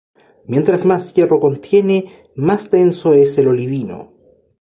Mientras más hierro contiene más denso es el olivino.